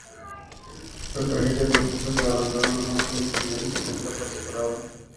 Las tarjetas de acceso de abonado no son disponibles en venta por separado.